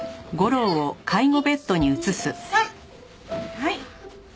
はい。